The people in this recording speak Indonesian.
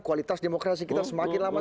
kualitas demokrasi kita semakin lama